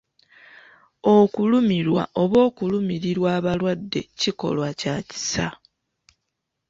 Okulumirwa oba okulumirirwa abalwadde kikolwa kya kisa.